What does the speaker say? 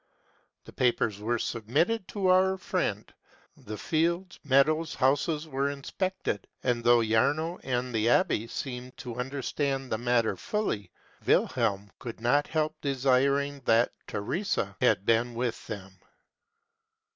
The papers were submitted to our friend : the fields, meadows, houses, were inspected ; and, though Jarno and the abbe seemed to understand the matter fully, Wil helm could not help desiring that Theresa had been with them.